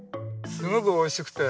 すごくおいしくて。